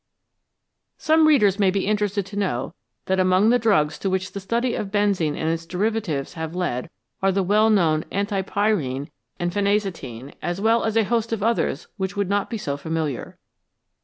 Some readers may be interested to know that among the drugs to which the study of benzene and its deriva tives have led are the well known antipyrine and phena cetine, as well as a host of others which would not be so familiar.